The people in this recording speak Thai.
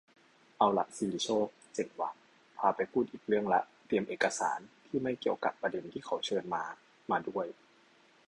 เอาล่ะ ศิริโชค เจ๋งว่ะ พาไปพูดอีกเรื่องละ เตรียมเอกสาร-ที่ไม่ได้เกี่ยวกะประเด็นที่เขาเชิญมา-มาด้วย